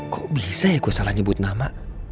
kok bisa ya kok salah nyebut nama